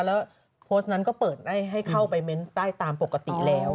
แล้วโพสต์นั้นก็เปิดให้เข้าไปเม้นต์ได้ตามปกติแล้ว